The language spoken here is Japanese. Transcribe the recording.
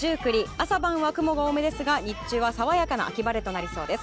朝晩は雲が多めですが日中は爽やかな秋晴れとなりそうです。